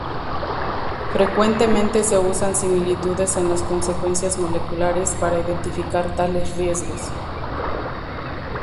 Frecuentemente se usan similitudes en la secuencias {moleculares} para identificar tales riesgos.